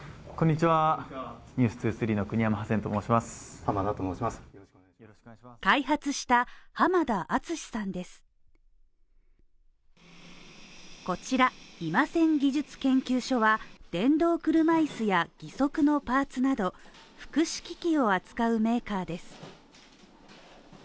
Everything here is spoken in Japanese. こちら今仙技術研究所は電動車いすや義足のパーツなど福祉機器を扱うメーカーです